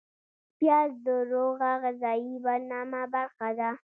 پیاز د روغه غذایي برنامه برخه ده